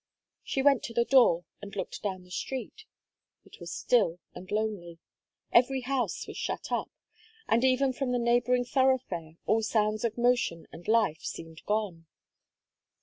She went to the door, and looked down the street. It was still and lonely; every house was shot up; and even from the neighbouring thoroughfare, all sounds of motion and life seemed gone.